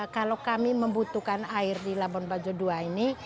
kalau kami membutuhkan air di labuan bajo dua ini